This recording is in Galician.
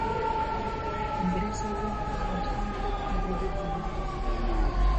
Ingrésalle non obstante un tributo a Mari.